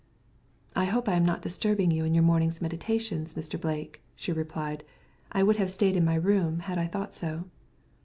"I hope I am not disturbing you in your morning's meditations, Mr. Blake," she replied; "I would have stayed in my room had I thought so."